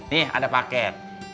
nih ada paket